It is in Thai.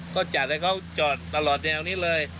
เขาจัดให้เขาจอดตลอดแนวกันเลย